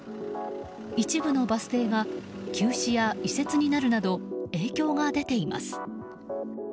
一部のバス停が休止や移設になるなど影響が出ています。